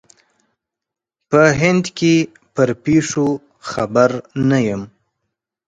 په هند کې پر پېښو خبر نه یم.